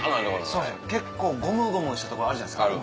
結構ゴムゴムしたとこあるじゃないですか。